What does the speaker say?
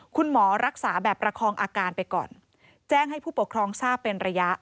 คุณหมอรักษาแบบประคองอาการไปก่อนแจ้งให้ผู้ปกครองทราบเป็นระยะ